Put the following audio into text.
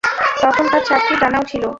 তখন তার চারটি ডানাও ছিল।